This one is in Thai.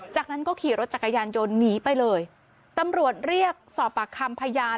จากนั้นก็ขี่รถจักรยานยนต์หนีไปเลยตำรวจเรียกสอบปากคำพยาน